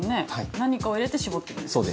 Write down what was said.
何かを入れて絞ってるんですよね。